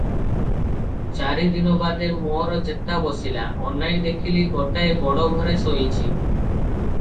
ଚାରିଦିନ ବାଦେ ମୋର ଚେତା ବସିଲା, ଅନାଇ ଦେଖିଲି ଗୋଟାଏ ବଡ଼ ଘରେ ଶୋଇଛି ।